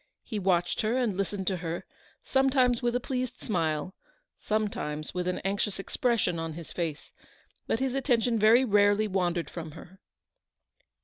He watched her and listened to her ; sometimes with a pleased smile, sometimes with an anxious expression on his face; but his atten tion very rarely wandered from her.